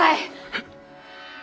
えっ。